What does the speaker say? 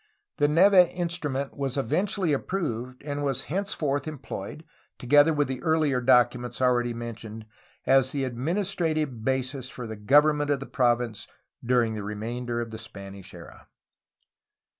The Neve instrument was eventually approved, and was henceforth employed, together with the earlier documents already mentioned, as the administrative basis for the government of the province during the re mainder of the Spanish era.